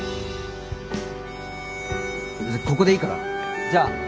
ここでいいからじゃあ。